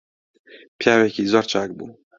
پیاوێکی زۆر چاک بوو